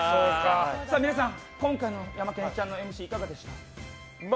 皆さん、今回のヤマケンちゃんのＭＣいかがでした？